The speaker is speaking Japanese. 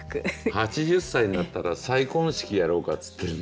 ８０歳になったら再婚式やろうかって言ってるんですよ